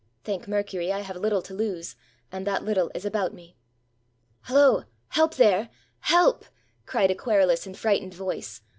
Thank Mercury! I have Httle to lose, and that Httle is about me!" "Holla! — help there — help!" cried a querulous and frightened voice.